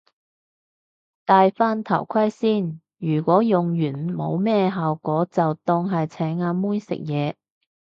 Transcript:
戴返頭盔先，如果用完冇咩效果就當係請阿妹食嘢